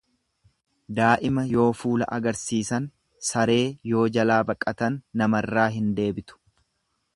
Daa'ima yoo fuula agarsiisan, saree yoo jalaa baqatan namarraa hin deebitu.